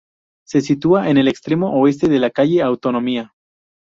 Se sitúa en el extremo oeste de la Calle Autonomía.